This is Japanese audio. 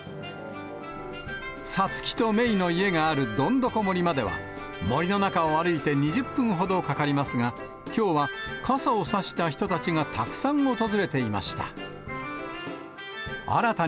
サツキとメイの家があるどんどこ森までは、森の中を歩いて２０分ほどかかりますが、きょうは傘を差した人たちがたくさん訪れていました。